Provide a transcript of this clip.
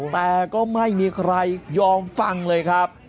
แต่ก็ไม่มีใครยอมฟังเลยครับ